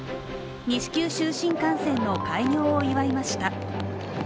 西九州新幹線の開業を祝いました。